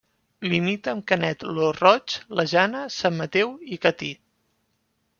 Limita amb Canet lo Roig, la Jana, Sant Mateu i Catí.